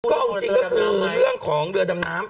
ก็เอาจริงก็คือเรื่องของเรือดำน้ำ